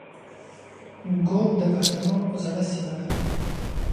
ږوب د پښتنو زړه سیمه ده